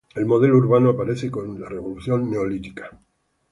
El modelo urbano aparece con la revolución neolítica.